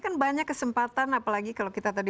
kan banyak kesempatan apalagi kalau kita tadi